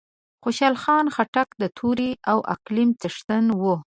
خوشحال خان خټک د تورې او قلم څښتن وو